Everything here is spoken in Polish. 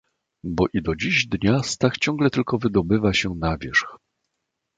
"bo i do dziś dnia Stach ciągle tylko wydobywa się na wierzch."